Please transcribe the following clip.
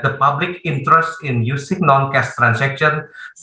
kepentingan masyarakat untuk menggunakan transaksi tanpa kasus